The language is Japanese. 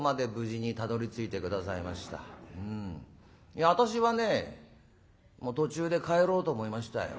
いや私はねもう途中で帰ろうと思いましたよ。